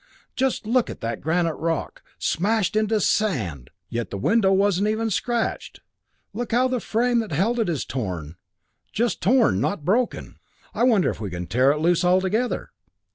"Just look at that granite rock smashed into sand! Yet the window isn't even scratched! Look how the frame that held it is torn just torn, not broken. I wonder if we can tear it loose altogether?"